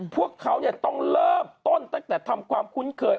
พวกเขาต้องเริ่มต้นตั้งแต่ทำความคุ้นเคย